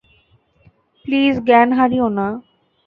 Please জ্ঞান হারিয়ো না।